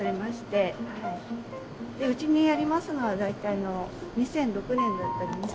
うちにありますのは大体２００６年だったり２００７年の。